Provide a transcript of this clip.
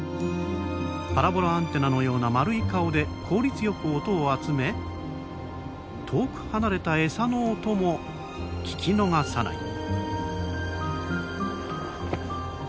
パラボラアンテナのような丸い顔で効率よく音を集め遠く離れたエサの音も聞き逃さない。